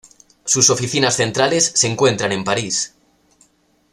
Sus oficinas centrales se encuentran en París.